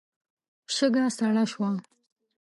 شګه سړه شوه.